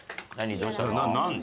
どうしたの？